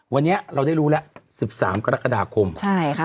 วันนี้เราได้รู้แล้วสิบสามกรกฎาคมใช่ค่ะ